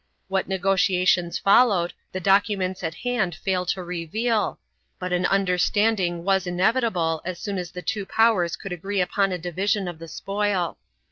What negotiations followed, the documents at hand fail to reveal, but an understanding was inevitable as soon as the two powers could agree upon a division of the spoil.